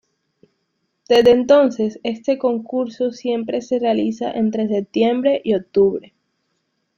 Desde entonces este concurso siempre se realiza entre septiembre y octubre.